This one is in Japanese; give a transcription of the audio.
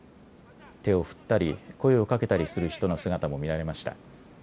手を振ったり声をかけたりする人の姿も見られました。